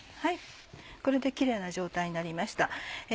これでキレイな状態になりました。